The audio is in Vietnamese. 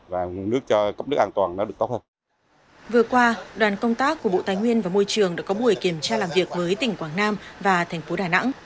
vừa qua đoàn công tác của bộ tài nguyên và môi trường đã có buổi kiểm tra làm việc với tỉnh quảng nam và thành phố đà nẵng